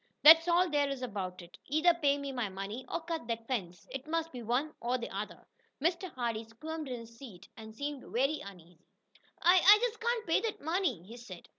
That's all there is about it. Either pay me my money or cut that fence. It must be one or the other." Mr. Hardee squirmed in his seat, and seemed very uneasy. "I I just can't pay that money," he said.